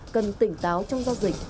cần tỉnh táo trong do dịch